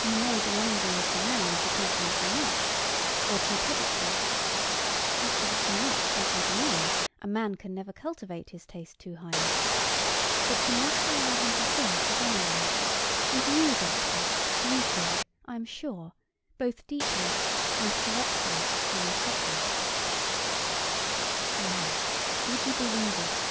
You may be angry with the man for talking too much, or too publicly, (as to the too much, that I deny a man can never cultivate his taste too highly;) but you must allow him to think, at any rate; and you, Doctor, you think, I am sure, both deeply and correctly on the subject. Well, would you believe it?